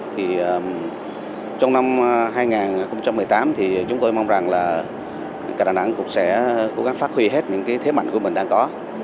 thì trong năm hai nghìn một mươi tám thì chúng tôi mong rằng là đà nẵng cũng sẽ cố gắng phát huy hết những cái thế mạnh của mình đang có